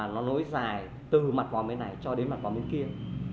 nó nối dài từ mặt vòng bên này cho đến mặt vòng bên kia